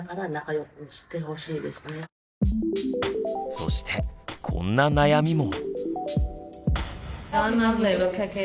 そしてこんな悩みも。